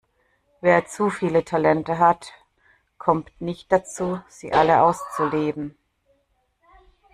Wer zu viele Talente hat, kommt nicht dazu, sie alle auszuleben.